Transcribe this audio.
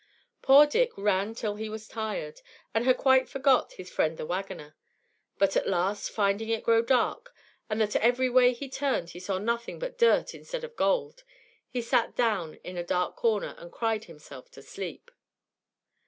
Poor Dick ran till he was tired, and had quite forgot his friend the wagoner; but at last, finding it grow dark, and that every way he turned he saw nothing but dirt instead of gold, he sat down in a dark corner and cried himself to sleep.